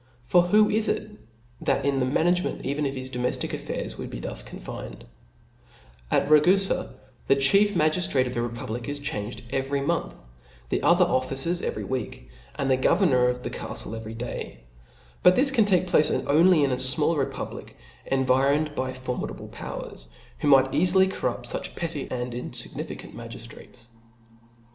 For who is it that in the management even of his donxftic affairs would be thus confined ? At Ragufa * the chief ma giftrate of the republic is changed every month, the • Tournefort's voyage?. other O F L A W S. 21 other officers every week, and the governor of the book cattle every day. But this can take pl^ce only in ^^ a finall republic environed * by formidable pow erS) who might eafily corrupt fuch petty and in iignificant magiftrates.